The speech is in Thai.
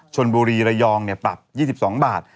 ชนบุรีระยองปรับ๒๒บาท